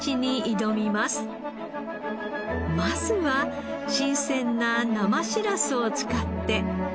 まずは新鮮な生しらすを使って。